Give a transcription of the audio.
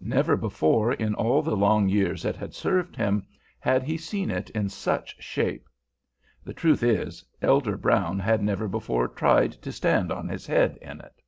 Never before in all the long years it had served him had he seen it in such shape. The truth is, Elder Brown had never before tried to stand on his head in it.